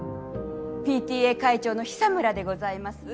ＰＴＡ会長の久村でございます。